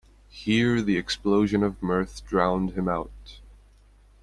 Here the explosion of mirth drowned him out.